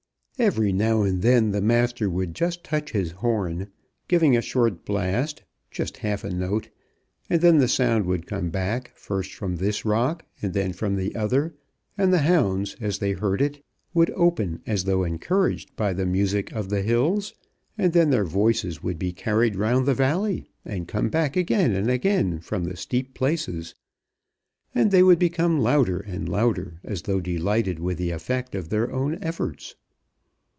Every now and then the Master would just touch his horn, giving a short blast, just half a note, and then the sound would come back, first from this rock and then from the other, and the hounds as they heard it would open as though encouraged by the music of the hills, and then their voices would be carried round the valley, and come back again and again from the steep places, and they would become louder and louder as though delighted with the effect of their own efforts.